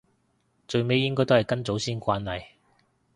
最尾應該都係跟祖先慣例